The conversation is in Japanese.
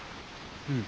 うん。